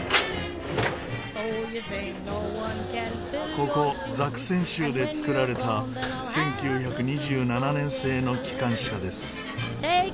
ここザクセン州で造られた１９２７年製の機関車です。